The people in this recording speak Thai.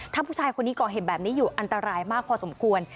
ถ้าผู้ชายคนนี้ก่อเหตุแบบนี้อยู่อันตรายมากพอสมควร